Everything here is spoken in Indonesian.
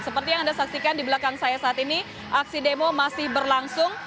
seperti yang anda saksikan di belakang saya saat ini aksi demo masih berlangsung